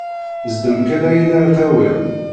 Zdem kan, ayen ara tawiḍ!